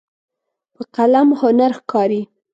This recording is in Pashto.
په قلم هنر ښکاري.